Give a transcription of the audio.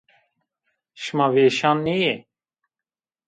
Şima vêşan nîyê.